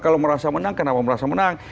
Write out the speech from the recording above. kalau merasa menang kenapa merasa menang